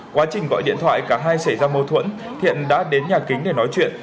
quá trình gọi điện thoại cả hai xảy ra mâu thuẫn thiện đã đến nhà kính để nói chuyện